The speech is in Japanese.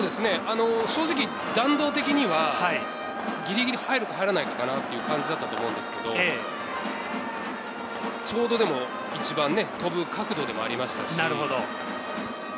正直、弾道的にはギリギリ入るか入らないかなという感じだったんですけど、ちょうど一番飛ぶ角度ではありましたし。